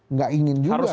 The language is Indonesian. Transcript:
enggak ingin juga